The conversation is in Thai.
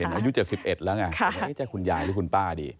เห็นอายุ๗๑แล้วไงไม่ใช่คุณยายหรือคุณป้าดิ